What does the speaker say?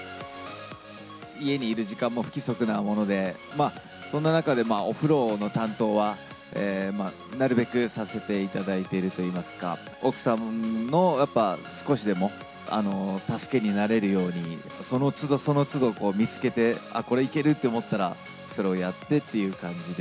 家にいる時間も不規則なもので、そんな中で、お風呂の担当はなるべくさせていただいているといいますか、奥さんのやっぱ少しでも助けになれるように、そのつど、そのつど見つけて、これいけるって思ったら、それをやってっていう感じで。